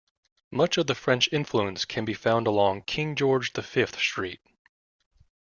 Much of the French influence can be found along King George the Fifth Street.